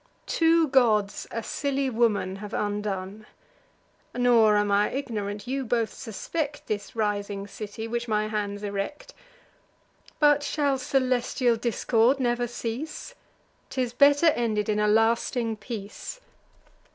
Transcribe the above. Two gods a silly woman have undone! Nor am I ignorant, you both suspect This rising city, which my hands erect: But shall celestial discord never cease? 'Tis better ended in a lasting peace.